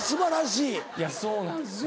いやそうなんですよ。